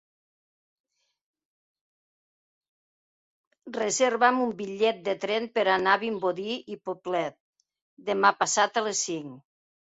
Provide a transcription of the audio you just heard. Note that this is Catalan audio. Reserva'm un bitllet de tren per anar a Vimbodí i Poblet demà passat a les cinc.